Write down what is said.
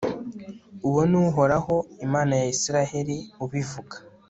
uwo ni uhoraho imana ya israheli ubivuga